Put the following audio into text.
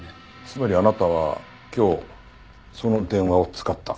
つまりあなたは今日その電話を使った。